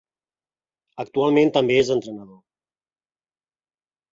Actualment també és entrenador.